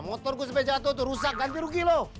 motor gue sampai jatuh tuh rusak ganti rugi lo